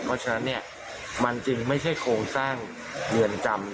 เพราะฉะนั้นมันจริงไม่ใช่โครงสร้างเงินจำ